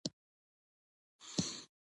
اوبه د ماشومانو د لوبو وسیله ده.